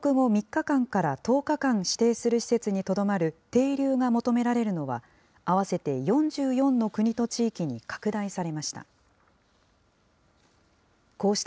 さらに入国後３日間から１０日間指定する施設にとどまる停留が求められるのは、合わせて４４の国と地域に拡大されました。